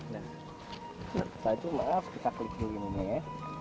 setelah itu maaf kita klik dulu ini ya